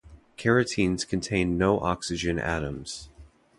Carotenes contain no oxygen atoms.